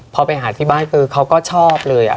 พอไปหาที่บ้านคือเขาก็ชอบเลย